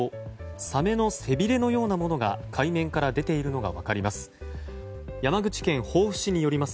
サメの背びれのようなものが海面から出ているのが分かります。